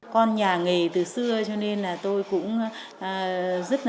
con nhà nghề từ xưa cho nên là tôi cũng